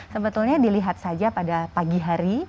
sebetulnya dilihat saja pada pagi hari